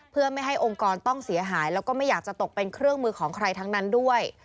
เพื่อไม่ให้องค์กรต้องเสียหายแล้วก็ไม่อยากจะตกเป็นเครื่องมือของใครทั้งนั้นด้วย